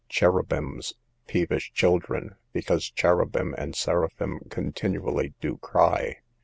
Cherubims, peevish children, because cherubim and seraphim continually do cry.